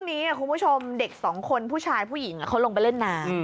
คุณผู้ชมเด็กสองคนผู้ชายผู้หญิงเขาลงไปเล่นน้ำ